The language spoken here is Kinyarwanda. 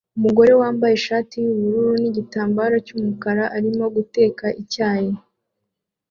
Umugore wambaye ishati yubururu nigitambara cyumukara arimo guteka icyayi